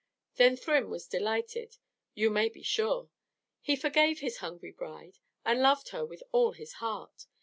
Then Thrym was delighted, you may be sure. He forgave his hungry bride, and loved her with all his heart.